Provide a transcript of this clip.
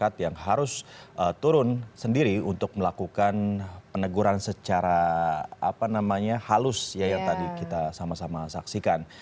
turun sendiri untuk melakukan peneguran secara halus yang tadi kita sama sama saksikan